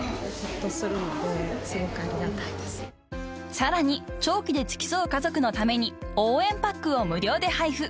［さらに長期で付き添う家族のために応援パックを無料で配布］